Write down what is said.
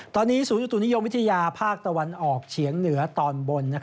ตอนนี้ศูนยุตุนิยมวิทยาภาคตะวันออกเฉียงเหนือตอนบน